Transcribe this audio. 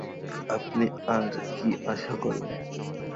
আপনি আর কী আশা করেন?